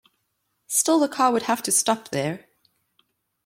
Still the car would have to stop there.